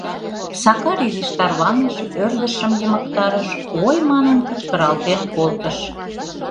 Сакар изиш тарваныш, ӧрдыжшым йымыктарыш, «ой!» — манын кычкыралтен колтыш...